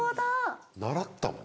習ったもん。